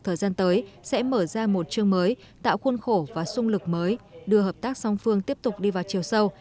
thời gian tới sẽ mở ra một chương mới tạo khuôn khổ và sung lực mới đưa hợp tác song phương tiếp tục đi vào chiều sâu